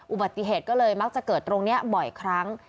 อุบัติเหตุก็เลยมักจะเกิดตรงนี้บ่อยครั้ง